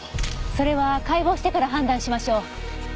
それは解剖してから判断しましょう。